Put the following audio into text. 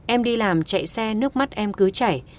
em đi làm chạy xe nước mắt em cứ chảy